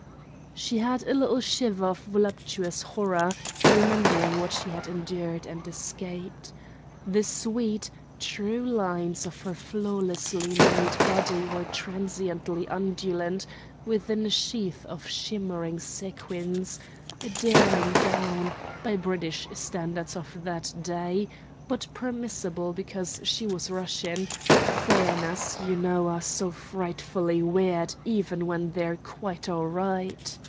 She had a little shiver of voluptuous horror, remembering what she had endured and escaped. The sweet, true lines of her flawlessly made body were transiently undulant within a sheath of shimmering sequins: a daring gown, by British standards of that day, but permissible because she was Russian; foreigners, you know, are so frightfully weird even when they're quite all right.